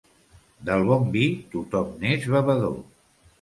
Del bon vi, tothom n'és bevedor.